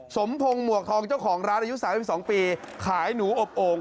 สมพงศ์หมวกทองเจ้าของร้านอายุ๓๒ปีขายหนูอบโอ่ง